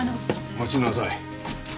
待ちなさい。